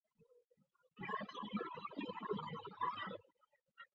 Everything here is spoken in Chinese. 粤语为炸厘。